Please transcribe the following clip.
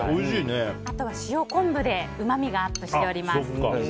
あとは塩昆布でうまみがアップしております。